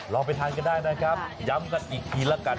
ไปทานกันได้นะครับย้ำกันอีกทีละกัน